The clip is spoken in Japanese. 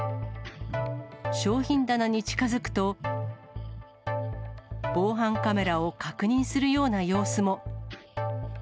商品棚に近づくと、防犯カメラを確認するような様子も。